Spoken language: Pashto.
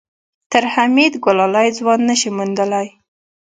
تر حميد ګلالی ځوان نه شې موندلی.